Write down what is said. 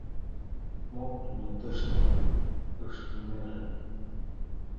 Мом тудо тыште ыштынеже?